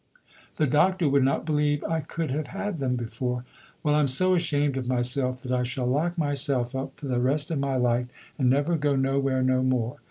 The Dr. would not believe I could have had them before. Well, I'm so ashamed of myself that I shall lock myself up for the rest of my life, and never go nowhere no more.